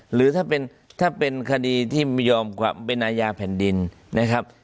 หรือถ้าเป็นคดีที่ไม่ยอมความเป็นอาญาแผ่นดินนะครับ